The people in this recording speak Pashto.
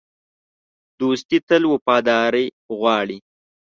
دوستي تل وفاداري غواړي.